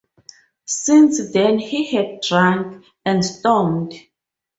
Since then he had drunk and stormed.